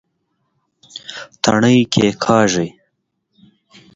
تڼي کېکاږئ